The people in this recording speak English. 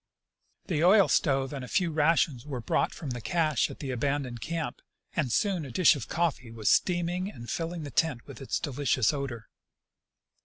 The oil stove and a few rations were brought from the cache at the abandoned camp, and soon a dish of coffee was steaming and filling the tent with its delicious odor.